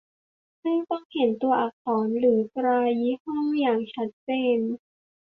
ซึ่งต้องเห็นตัวอักษรหรือตรายี่ห้ออย่างชัดเจน